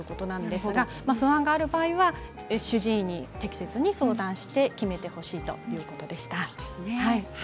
ただ不安がある場合は、主治医に適切に相談して決めてほしいということでした。